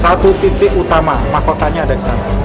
satu titik utama mahkotanya ada di sana